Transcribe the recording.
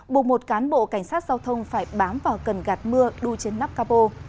buộc một cán bộ cảnh sát giao thông phải bám vào cần gạt mưa đu trên nắp capo